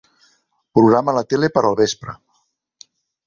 Programa la tele per al vespre.